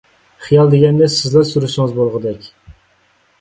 خىيال دېگەننى سىزلا سۈرسىڭىز بولغۇدەك.